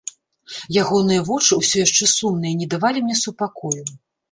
Ягоныя вочы, усё яшчэ сумныя, не давалі мне супакою.